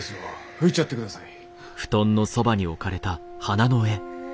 拭いちゃってください。